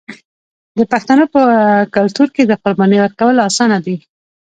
د پښتنو په کلتور کې د قربانۍ ورکول اسانه دي.